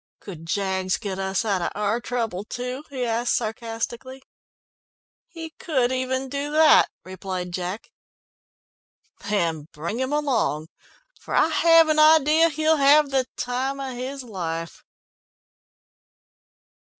"Could Jaggs get us out of our trouble too?" he asked sarcastically. "He could even do that," replied Jack. "Then bring him along, for I have an idea he'll have the time of his life."